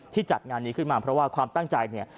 จัดงานนี้ขึ้นมาเพราะว่าความตั้งใจเนี่ย